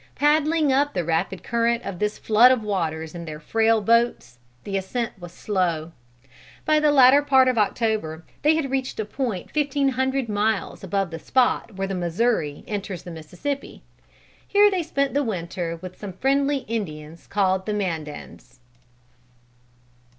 Paddling up the rapid current of this flood of waters in their frail boats, the ascent was slow. By the latter part of October they had reached a point fifteen hundred miles above the spot where the Missouri enters the Mississippi. Here they spent the winter with some friendly Indians called the Mandans.